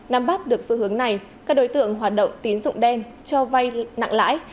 năm bắt được xu hướng này các đối tượng hoạt động tín dụng đen cho vay nặng lãi